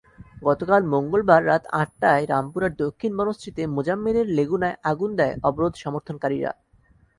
গতকাল মঙ্গলবার রাত আটটায় রামপুরার দক্ষিণ বনশ্রীতে মোজাম্মেলের লেগুনায় আগুন দেয় অবরোধ সমর্থনকারীরা।